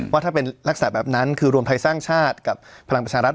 ว่าถ้าเป็นลักษณะแบบนั้นคือรวมไทยสร้างชาติกับพลังประชารัฐ